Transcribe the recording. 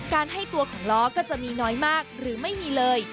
ให้ตัวของล้อก็จะมีน้อยมากหรือไม่มีเลย